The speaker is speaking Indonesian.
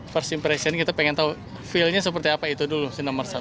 first impression kita pengen tahu feelnya seperti apa itu dulu si nomor satu